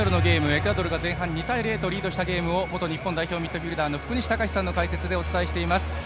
エクアドルが前半２対０とリードしたゲームを元日本代表ミッドフィールダーの福西崇史さんの解説でお伝えしています。